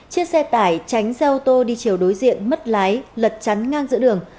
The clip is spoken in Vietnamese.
chiếc xe tải tránh xe ô tô đi chiều đối diện mất lái lật chắn ngang giữa đường